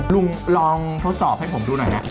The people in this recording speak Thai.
ลุงลองทดสอบให้ผมดูหน่อยนะ